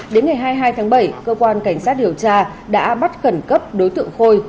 đến ngày hai mươi hai tháng bảy cơ quan cảnh sát điều tra đã bắt khẩn cấp đối tượng khôi